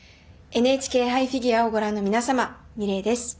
ＮＨＫ杯フィギュアをご覧の皆様